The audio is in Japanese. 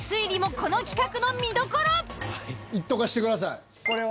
いっとかしてください。